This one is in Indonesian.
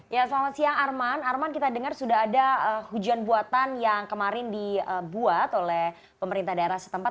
ya selamat siang arman arman kita dengar sudah ada hujan buatan yang kemarin dibuat oleh pemerintah daerah setempat